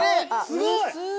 すごい！